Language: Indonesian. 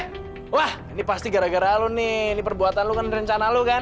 eh wah ini pasti gara gara lo nih ini perbuatan lo kan rencana lo kan